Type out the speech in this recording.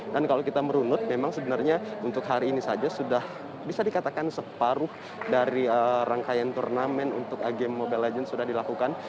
dan kalau kita merunut memang sebenarnya untuk hari ini saja sudah bisa dikatakan separuh dari rangkaian turnamen untuk game mobile legends sudah dilakukan